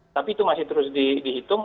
tapi itu masih terus dihitung